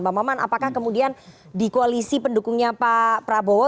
pak mamman apakah kemudian di koalisi pendukungnya pak prabowo